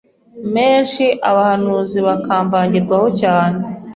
menshi abahanuzi bakamvangirwaho cyane